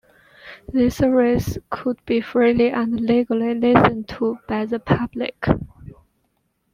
This service could be freely and legally listened to by the public.